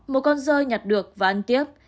một con rơi nhặt được và ăn tiếp